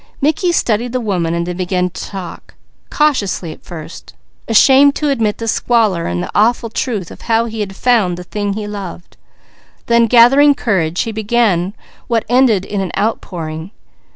Mickey studied the woman and then began to talk, cautiously at first. Ashamed to admit the squalor and the awful truth of how he had found the thing he loved, then gathering courage he began what ended in an outpouring.